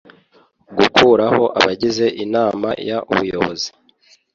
gukuraho abagize Inama y Ubuyobozi